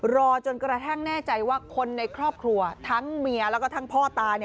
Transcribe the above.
รอจนกระทั่งแน่ใจว่าคนในครอบครัวทั้งเมียแล้วก็ทั้งพ่อตา